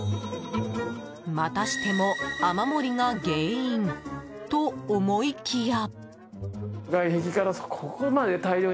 またしても雨漏りが原因？と、思いきや。